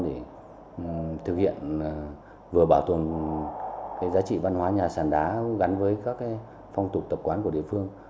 để thực hiện vừa bảo tồn giá trị văn hóa nhà sàn đá gắn với các phong tục tập quán của địa phương